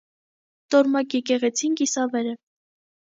Տորմակ եկեղեցին կիսավեր է։